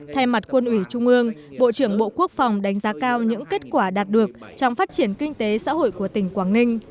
thay mặt quân ủy trung ương bộ trưởng bộ quốc phòng đánh giá cao những kết quả đạt được trong phát triển kinh tế xã hội của tỉnh quảng ninh